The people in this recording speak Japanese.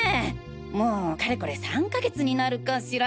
もうかれこれ３か月になるかしら。